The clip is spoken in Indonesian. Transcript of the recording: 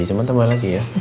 cuma tambah lagi ya